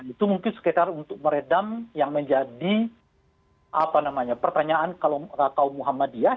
itu mungkin sekitar untuk meredam yang menjadi pertanyaan kalau kaum muhammadiyah